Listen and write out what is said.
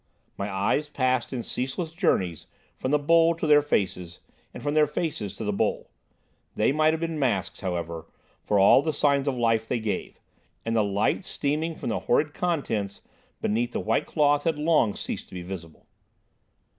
My eyes passed in ceaseless journeys from the bowl to their faces, and from their faces to the bowl. They might have been masks, however, for all the signs of life they gave; and the light steaming from the horrid contents beneath the white cloth had long ceased to be visible.